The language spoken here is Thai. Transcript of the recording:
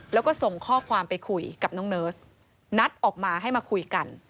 แล้วก็ส่งข้อความไปคุยกับน้องเนิร์สนัดออกมาให้มาคุยกัน